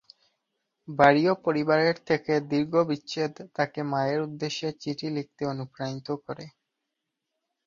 বাড়ি ও পরিবারের থেকে দীর্ঘ বিচ্ছেদ তাকে মায়ের উদ্দেশ্যে চিঠি লিখতে অনুপ্রাণিত করে।